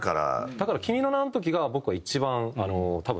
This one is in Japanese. だから『君の名は。』の時が僕は一番多分闘いましたね。